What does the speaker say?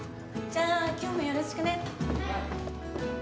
じゃあ今日もよろしくね。